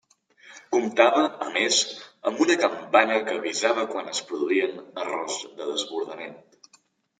Comptava, a més, amb una campana que avisava quan es produïen errors de desbordament.